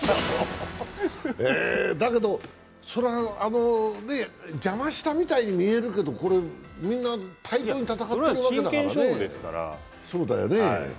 だけど邪魔したみたいに見えるけど、みんな対等に戦っているわけだからね。